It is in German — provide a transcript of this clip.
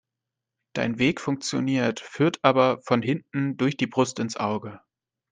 Dein Weg funktioniert, führt aber von hinten durch die Brust ins Auge.